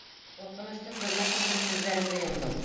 Ҡурҡынысты күрмәҫ өсөн күҙҙәремде йомдом.